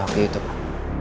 oke itu pak